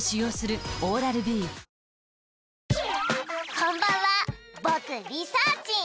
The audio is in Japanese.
こんばんは僕リサーちん